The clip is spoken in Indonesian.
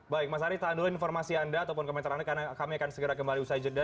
baik mas ari tahan dulu informasi anda ataupun komentar anda karena kami akan segera kembali usai jeda